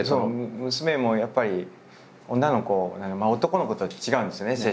娘もやっぱり女の子男の子とは違うんですよね